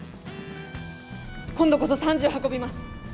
今度こそ３０運びます。